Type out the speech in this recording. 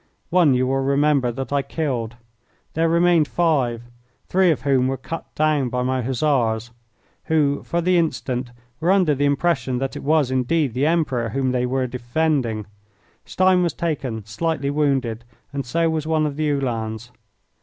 One you will remember that I killed. There remained five, three of whom were cut down by my Hussars, who, for the instant, were under the impression that it was indeed the Emperor whom they were defending. Stein was taken, slightly wounded, and so was one of the Uhlans.